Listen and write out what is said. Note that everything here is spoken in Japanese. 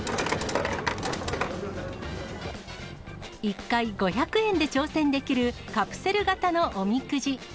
１回５００円で挑戦できるカプセル型のおみくじ。